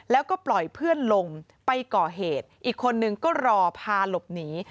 แล้วก็ปล่อยเพื่อนลงไปก่อเหตุอีกคนนึงก็รอพาหลบหนี